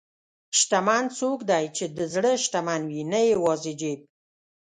شتمن څوک دی چې د زړه شتمن وي، نه یوازې جیب.